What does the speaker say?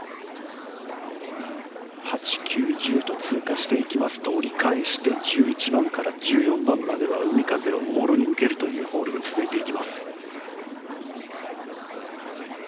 ８、９、１０と通過していきますと折り返して１１番から１４番までは海風をもろに受けるというホールが続いていきます。